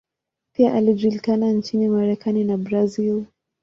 Pia alijulikana nchini Marekani na Brazil.